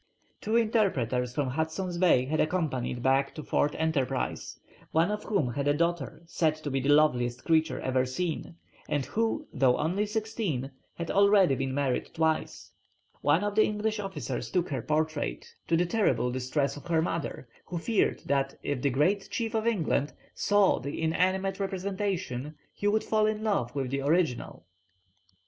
Two interpreters from Hudson's Bay had accompanied Back to Fort Enterprise, one of whom had a daughter said to be the loveliest creature ever seen, and who, though only sixteen, had already been married twice. One of the English officers took her portrait, to the terrible distress of her mother, who feared that if the "great chief of England" saw the inanimate representation he would fall in love with the original.